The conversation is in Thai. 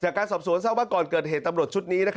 จากการสรรพสวนเศร้าก่อนเกิดเหตุตำรวจชุดนี้